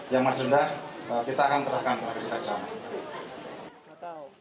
yang masih rendah kita akan terangkan terhadap kita di sana